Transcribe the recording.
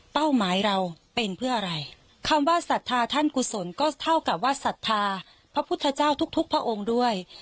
หมายเราเป็นเพื่ออะไรคำว่าศรัทธาท่านกุศลก็เท่ากับว่าศรัทธาพระพุทธเจ้าทุกพระองค์ด้วย